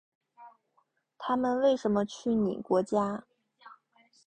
他们为什么去你国家？